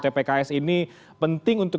tpks ini penting untuk